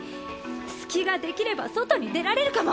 隙が出来れば外に出られるかも！